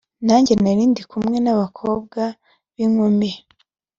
nanjye narindikumwe nabakobwa binkumi